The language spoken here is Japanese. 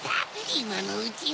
いまのうちに。